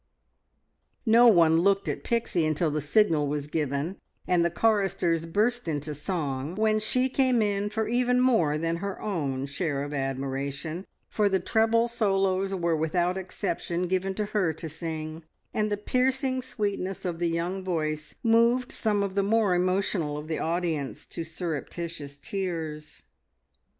No one looked at Pixie until the signal was given and the choristers burst into song, when she came in for even more than her own share of admiration, for the treble solos were without exception given to her to sing, and the piercing sweetness of the young voice moved some of the more emotional of the audience to surreptitious tears.